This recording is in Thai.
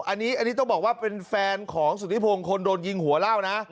อันนี้ต้องบอกว่าเป็นแฟนของสุธิพงศ์คนโดนยิงหัวเล่านะ